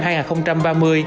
đến năm hai nghìn hai mươi năm